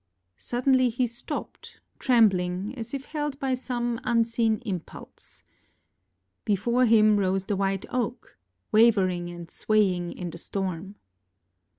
Suddenly he stopped, trembling, as if held by some unseen impulse. Before him rose the white oak, wavering and swaying in the storm.